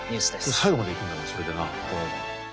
最後までいくんだそれでな。